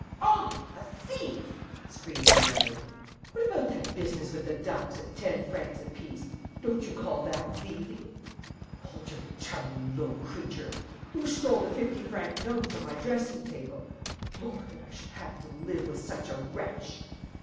"I, a thief!" screamed the other. "What about that business with the ducks at ten francs apiece: don't you call that thieving?" "Hold your tongue, you low creature! Who stole the fifty franc note from my dressing table? Lord, that I should have to live with such a wretch!"